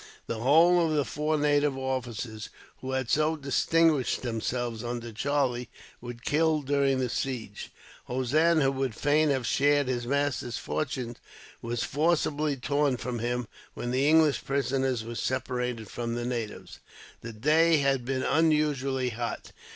The whole of the four native officers, who had so distinguished themselves under Charlie, were killed during the siege. Hossein, who would fain have shared his master's fortunes, was forcibly torn from him, when the English prisoners were separated from the natives. The day had been unusually hot.